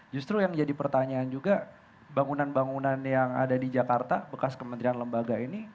justru yang jadi pertanyaan juga bangunan bangunan yang ada di jakarta bekas kementerian lembaga ini